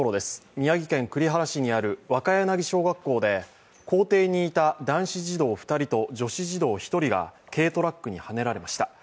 宮城県栗原市にある若柳小学校で校庭にいた男子児童２人と女子児童１人が軽トラックにはねられました。